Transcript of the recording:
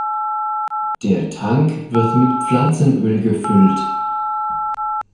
Der Tank wird mit Pflanzenöl gefüllt.